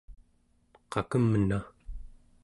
qakemna